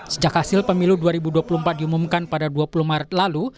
sejak hasil pemilu dua ribu dua puluh empat diumumkan pada dua puluh maret lalu